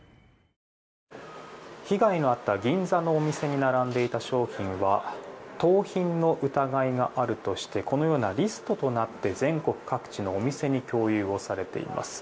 被害のあった銀座のお店に並んでいた商品は盗品の疑いがあるとしてこのようなリストとなって全国各地のお店に共有をされています。